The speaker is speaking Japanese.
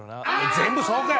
全部そうかい！